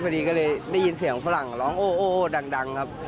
พอดีก็เลยได้ยินเสียงฝรั่งร้องโอ้ดังครับ